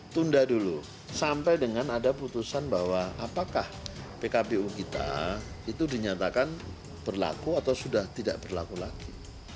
tunda dulu sampai dengan ada putusan bahwa apakah pkpu kita itu dinyatakan berlaku atau sudah tidak berlaku lagi